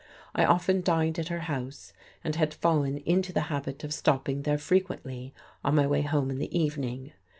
I often dined at her house and had fallen into the habit of stopping there frequently on my way home in the evening.